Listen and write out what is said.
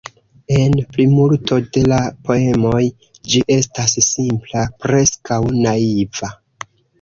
En plimulto de la poemoj ĝi estas simpla, preskaŭ naiva.